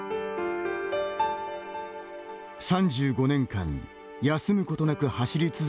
３５年間、休むことなく走り続けてきたＢ